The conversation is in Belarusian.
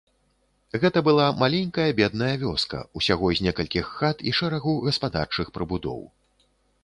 Гэта была маленькая бедная вёска, усяго з некалькіх хат і шэрагу гаспадарчых прыбудоў.